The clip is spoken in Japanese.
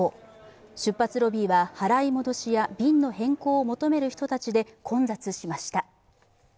出発ロビーは払い戻しや便の変更を求める人たちで混雑しました。